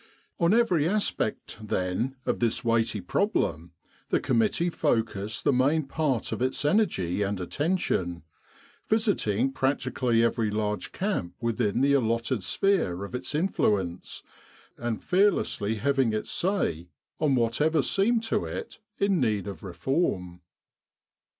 On every aspect, then, of this weighty problem, the committee focused the main part of its energy and attention, visiting practically every large camp within the allotted sphere of its influence, and fearlessly having its say on whatever seemed to it in need of reform.